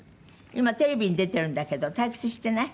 今テレビに出てるんだけど退屈してない？